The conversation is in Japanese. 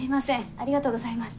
ありがとうございます。